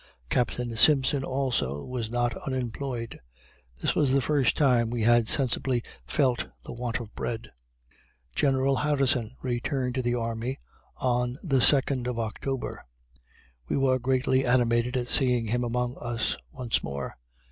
Captain Simpson, also, was not unemployed. This was the first time we had sensibly felt the want of bread. General Harrison returned to the army on the second of October. We were greatly animated at seeing him among us once more.